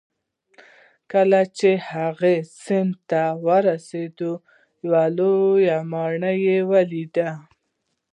کله چې هغه سیند ته ورسید یوه لویه ماڼۍ یې ولیده.